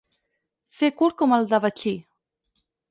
Fer curt com el de Betxí.